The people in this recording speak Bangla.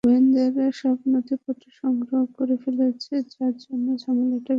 গোয়েন্দারা সব নথিপত্র সংগ্রহ করে ফেলছে যার জন্য ঝামেলাটা বেঁধেছে।